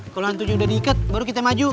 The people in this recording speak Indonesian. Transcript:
kalau hantunya udah diikat baru kita maju